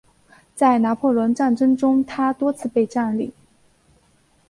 在拿破仑战争中它多次被占领。